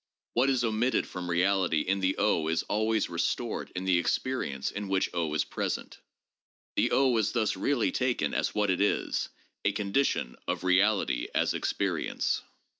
"What is omitted from reality in the is always restored in the experience in which is present. The is thus really taken as what it is— a condition of reality as experience.